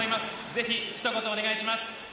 ぜひ一言お願いします。